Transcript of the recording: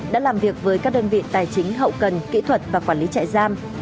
đã làm việc với các đơn vị tài chính hậu cần kỹ thuật và quản lý trại giam